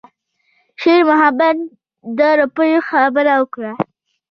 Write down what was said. شېرمحمد د روپیو خبره وکړه.